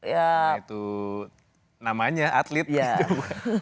karena itu namanya atlet gitu